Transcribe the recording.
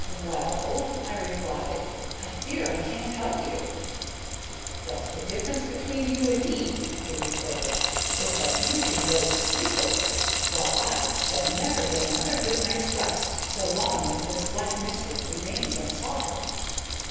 "Well," I replied, "I fear I can't help you." "But the difference between you and me," he retorted, "is that you can go to sleep over it, while I shall never get another good night's rest so long as this black mystery remains unsolved."